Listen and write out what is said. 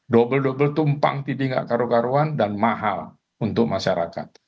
double double tumpang tidak karuan karuan dan mahal untuk masyarakat